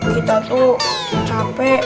kita tuh capek